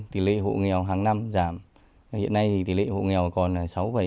tỷ lệ hộ nghèo hàng năm giảm hiện nay thì tỷ lệ hộ nghèo còn là sáu bảy